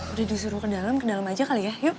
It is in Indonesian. udah disuruh ke dalam ke dalam aja kali ya yuk